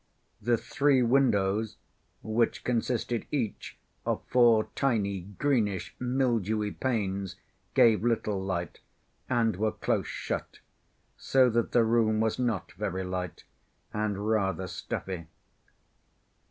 The three windows, which consisted each of four tiny greenish mildewy panes, gave little light, and were close shut, so that the room was not very light and rather stuffy.